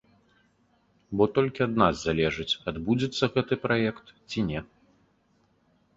Бо толькі ад нас залежыць, адбудзецца гэты праект ці не.